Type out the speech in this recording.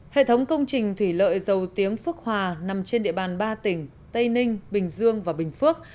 hệ thống công trình thủy lợi dầu tiếng phước hòa nằm trên địa bàn ba tỉnh tây ninh bình dương và bình phước